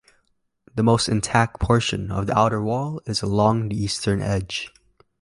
The most intact portion of the outer wall is along the eastern edge.